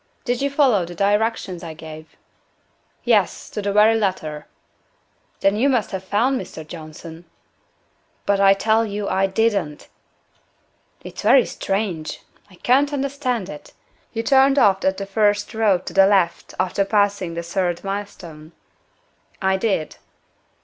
Did you follow the directions I gave?" "Yes, to the very letter." "Then you must have found Mr. Johnson." "But I tell you, I didn't." "It's very strange! I can't understand it. You turned off at the first road to the left, after passing the third milestone?" "I did."